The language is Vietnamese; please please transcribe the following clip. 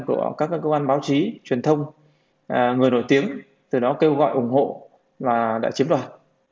của các cơ quan báo chí truyền thông người nổi tiếng từ đó kêu gọi ủng hộ và đã chiếm đoạt